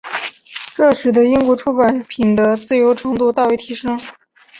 这使得英国出版品的自由程度大为提升。